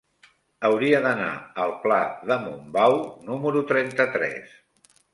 Hauria d'anar al pla de Montbau número trenta-tres.